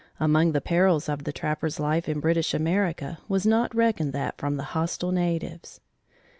Among the perils of the trapper's life in British America was not reckoned that from the hostile natives.